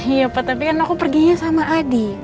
iya pak tapi kan aku perginya sama adi